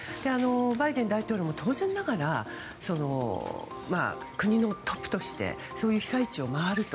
バイデン大統領も当然ながら国のトップとしてそういう被災地を回ると。